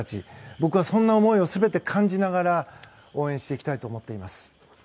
僕はそんな思いを全て感じながら応援していきたいと思っています。